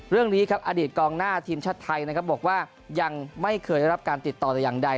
เรื่องนี้ครับอดีตกองหน้าทีมชาติไทยนะครับบอกว่ายังไม่เคยได้รับการติดต่อแต่อย่างใด